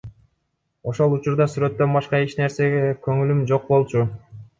Ошол учурда сүрөттөн башка эч нерсеге көңүлүм жок болчу.